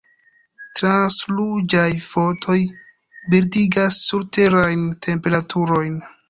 Transruĝaj fotoj bildigas surterajn temperaturojn.